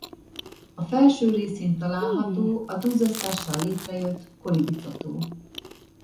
A felső részén található a duzzasztással létrejött Kolibica-tó.